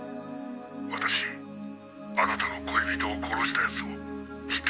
「私あなたの恋人を殺した奴を知ってますよ」